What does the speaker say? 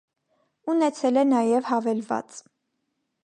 Ունեցել է նաև հավելված։